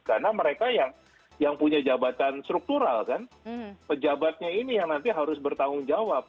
karena mereka yang punya jabatan struktural kan pejabatnya ini yang nanti harus bertanggung jawab